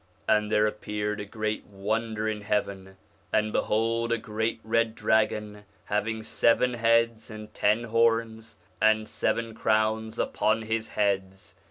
And there appeared a great wonder in heaven, and behold a great red dragon, having seven heads and ten horns and seven crowns upon his heads.